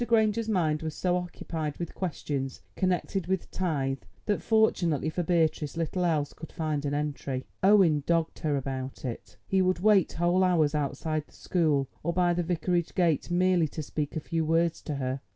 Granger's mind was so occupied with questions connected with tithe that fortunately for Beatrice little else could find an entry. Owen dogged her about; he would wait whole hours outside the school or by the Vicarage gate merely to speak a few words to her.